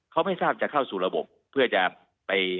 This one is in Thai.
เขาไม่ทราบจะเข้าสู่ระบบเพื่อจะไป